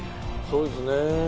「そうですね」